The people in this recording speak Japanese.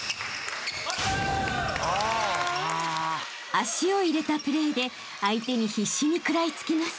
［足を入れたプレーで相手に必死に食らい付きます］